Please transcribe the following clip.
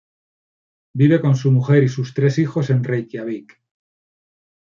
Vive con su mujer y sus tres hijos en Reikiavik.